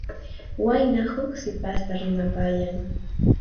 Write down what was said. Wayna huk sipasta rimapayan.